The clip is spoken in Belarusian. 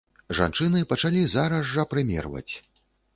Жанчыны пачалі зараз жа прымерваць.